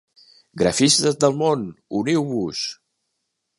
Grafistes del món, uniu-vos!